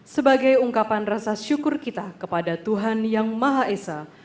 sebagai ungkapan rasa syukur kita kepada tuhan yang maha esa